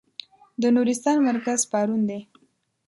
د نورستان مرکز پارون دی.